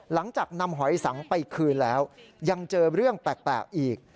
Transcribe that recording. หลังจากนำหอยสังไปคืนแล้วยังเจอเรื่องแปลกอีก